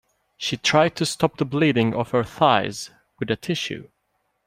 She tried to stop the bleeding of her thighs with a tissue.